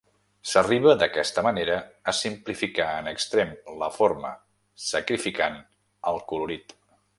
S'arriba d'aquesta manera a simplificar en extrem la forma, sacrificant al colorit.